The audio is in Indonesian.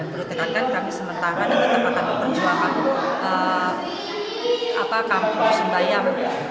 berarti kan kami sementara dengan tempat tempat perjuangan kampung rusun bayam